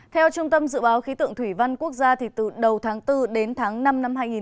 theo trung tâm dự báo khí tượng thủy văn quốc gia từ đầu tháng bốn đến tháng năm năm hai nghìn hai mươi